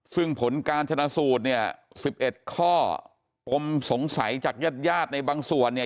ซึ่งผลการชนะสูตรเนี่ย๑๑ข้อปมสงสัยจากญาติญาติในบางส่วนเนี่ย